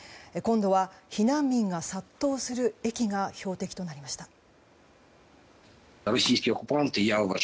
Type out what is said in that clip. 今度は避難民が殺到する駅が標的となりました。